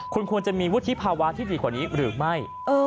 คุณควรจะมีวุฒิภาวะที่ดีกว่านี้หรือไม่